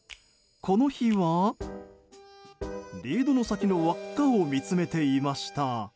この日はリードの先の輪っかを見つめていました。